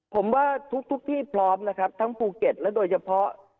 ผมว่าทุกที่พร้อมนะครับทั้งภูเก็ตและโดยเฉพาะ